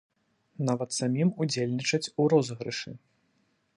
Нават самім удзельнічаць у розыгрышы.